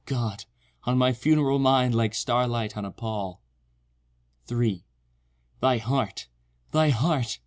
God! on my funereal mind Like starlight on a pall— 3 Thy heart—thy heart!